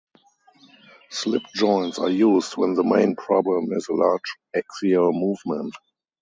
Slip joints are used when the main problem is a large axial movement.